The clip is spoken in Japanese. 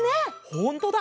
ほんとだ！